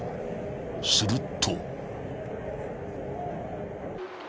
［すると］